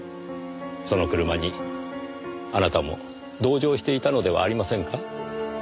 その車にあなたも同乗していたのではありませんか？